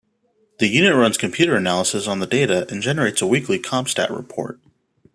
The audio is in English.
The unit runs computer analysis on the data and generates a weekly CompStat report.